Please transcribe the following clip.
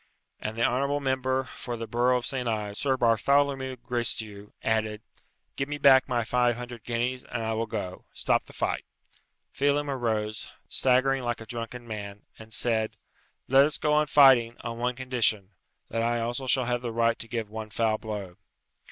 And the honourable member for the borough of Saint Ives, Sir Bartholomew Gracedieu, added, "Give me back my five hundred guineas, and I will go. Stop the fight." Phelem arose, staggering like a drunken man, and said, "Let us go on fighting, on one condition that I also shall have the right to give one foul blow."